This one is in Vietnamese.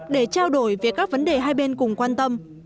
để trao đổi về các vấn đề hai bên cùng quan tâm